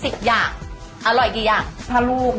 ติดตามชมช่วงหน้าครับ